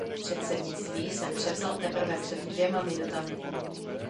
Předsednictví jsem převzal teprve před dvěma minutami.